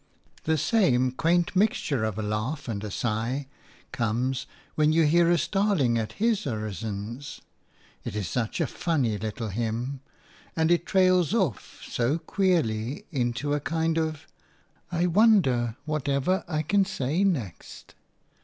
The same quaint mixture of a laugh and a sigh comes when you hear a starling at his orisons. It is such a funny little hymn, and it trails off so queerly into a kind of – "I wonder whatever I can say next!"